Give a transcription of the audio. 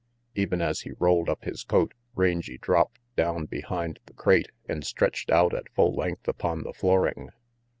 Even as he rolled up his coat, Rangy dropped down behind the crate and stretched out at full length upon the flooring.